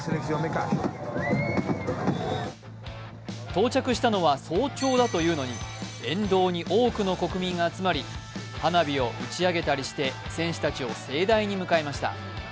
到着したのは早朝だというのに、沿道に多くの国民が集まり、花火を打ち上げたりして選手たちを盛大に迎えました。